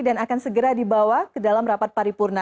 dan akan segera dibawa ke dalam rapat paripurna